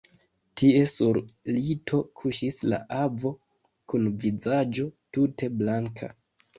Tie sur lito kuŝis la avo, kun vizaĝo tute blanka.